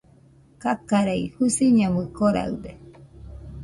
Kakarei, Jusiñamui koraɨde